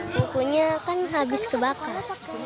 bukunya kan habis kebakar